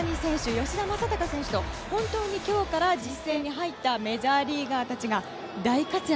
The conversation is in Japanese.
吉田正尚選手と本当に今日から実戦に入ったメジャーリーガーたちが大活躍。